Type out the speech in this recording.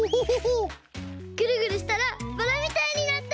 ぐるぐるしたらバラみたいになった！